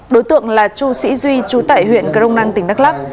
đối tượng là chu sĩ duy chu tại huyện crong nang tỉnh đắk lắc